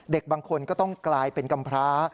บางคนก็ต้องกลายเป็นกำพร้า